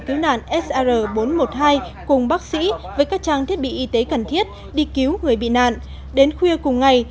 cứu nạn sr bốn trăm một mươi hai cùng bác sĩ với các trang thiết bị y tế cần thiết đi cứu người bị nạn đến khuya cùng ngày